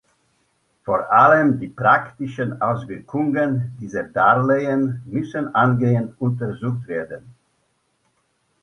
Vor allem die praktischen Auswirkungen dieser Darlehen müssen eingehend untersucht werden..